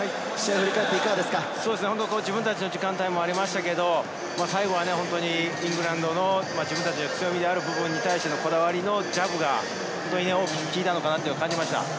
自分たちの時間帯もありましたけれど最後はイングランドの自分たちの強みである部分に対してのこだわりのジャブが大きく効いたのかと感じました。